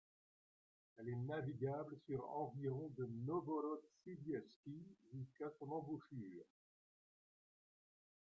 Elle est navigable sur environ de Novhorod-Siverskyï jusqu'à son embouchure.